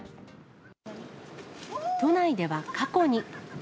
都内では過去に。